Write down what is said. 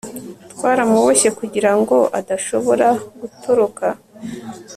twaramuboshye kugira ngo adashobora gutoroka